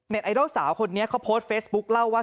ไอดอลสาวคนนี้เขาโพสต์เฟซบุ๊คเล่าว่า